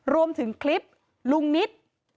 รวมถึงคลิปลุงนิต